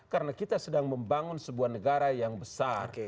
karena kita sedang membangun sebuah negara yang besar